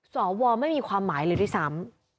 สวไม่มีความหมายเลยด้วยซ้ำ